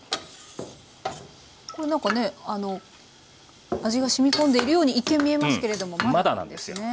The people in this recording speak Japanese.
これなんかね味がしみ込んでいるように一見見えますけれどもまだなんですね。